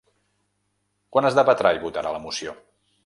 Quan es debatrà i votarà la moció?